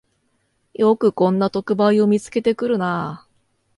よくこんな特売を見つけてくるなあ